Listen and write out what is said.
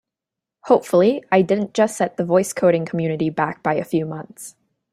Hopefully I didn't just set the voice coding community back by a few months!